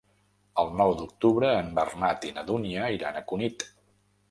El nou d'octubre en Bernat i na Dúnia iran a Cunit.